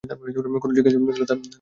কেনো জেগে গেলো তা ভেবে কষ্ট পাচ্ছেন?